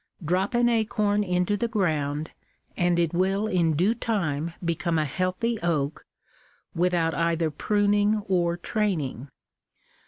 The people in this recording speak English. Drop an acorn into the ground, and it will in due time become a healthy oak without either pruning or training.